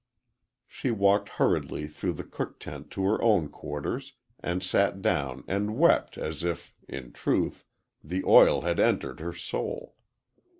She walked hurriedly through the cook tent to her own quarters, and sat down and wept as if, in truth, the oil had entered her soul.